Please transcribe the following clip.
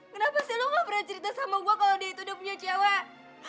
kenapa sih lo gak pernah cerita sama gue kalau dia itu udah punya jawa